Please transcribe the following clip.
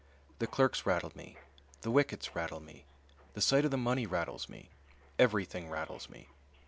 The clerks rattle me; the wickets rattle me; the sight of the money rattles me; everything rattles me.